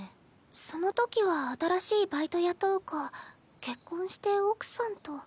そのときは新しいバイト雇うか結婚して奥さんと。